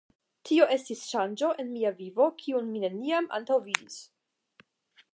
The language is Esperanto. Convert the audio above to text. Tio estis ŝanĝo en mia vivo, kiun mi neniam antaŭvidis.